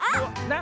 な？